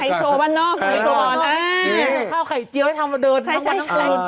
ข่าวไข่เสื้อเวลานอกเอ้อข้าวไข่เจี้ยวให้ทำมาเดินใช่ใช่ใช่